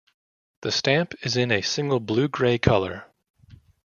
The stamp is in a single blue-gray color.